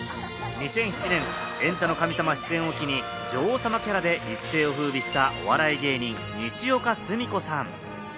２００７年『エンタの神様』出演を機に、女王様キャラで一世を風靡したお笑い芸人・にしおかすみこさん。